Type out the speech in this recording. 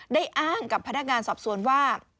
ได้อ้างกับพนักงานสอบสวนว่า